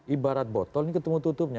ibarat botol ini ketemu tutupnya